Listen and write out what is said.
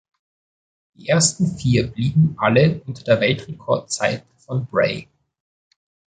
Die ersten Vier blieben alle unter der Weltrekordzeit von Bray.